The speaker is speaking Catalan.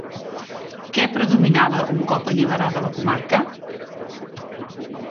Què predominava un cop alliberada la comarca?